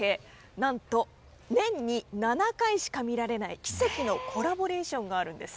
何と年に７回しか見られない奇跡のコラボレーションがあるんです。